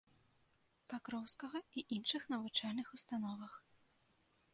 Пакроўскага і іншых навучальных установах.